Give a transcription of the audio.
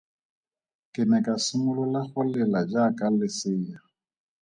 Ke ne ka simolola go lela jaaka lesea.